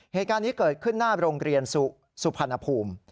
เหตุการณ์นี้เกิดขึ้นหน้าโรงเรียนสุพรรณภูมิ